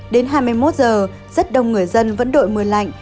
đến hai mươi một giờ rất đông người dân vẫn đội mưa lạnh